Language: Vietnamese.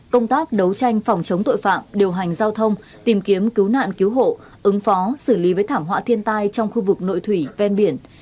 công tác đấu tranh phòng chống tội phạm điều hành giao thông tìm kiếm cứu nạn cứu hộ ứng phó xử lý với thảm họa thiên tai trong khu vực nội thủy ven biển